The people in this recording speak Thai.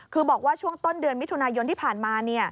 คือบอกว่าช่วงต้นเดือนมิถุนายนที่ผ่านมา